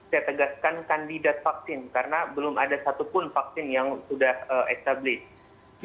saya tegaskan kandidat vaksin karena belum ada satupun vaksin yang sudah established